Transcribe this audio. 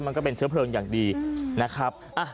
มันก็เป็นเชื้อเพลิงอย่างดีนะครับ